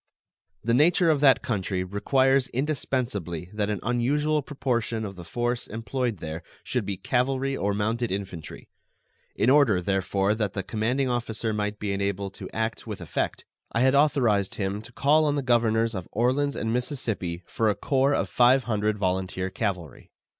The nature of that country requires indispensably that an unusual proportion of the force employed there should be cavalry or mounted infantry. In order, therefore, that the commanding officer might be enabled to act with effect, I had authorized him to call on the governors of Orleans and Mississippi for a corps of five hundred volunteer cavalry.